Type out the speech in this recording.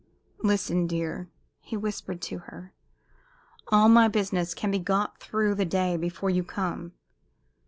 "Listen, dear!" He whispered to her. "All my business can be got through the day before you come.